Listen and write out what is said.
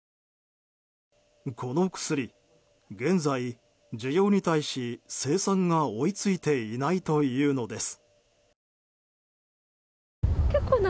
この薬、現在需要に対し生産が追い付いていないというのです。